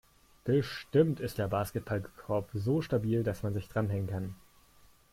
Bestimmt ist der Basketballkorb so stabil, dass man sich dranhängen kann.